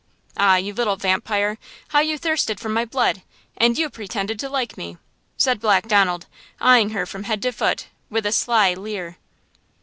Ah! you little vampire, how you thirsted for my blood! And you pretended to like me!" said Black Donald, eying her from head to foot, with a sly leer.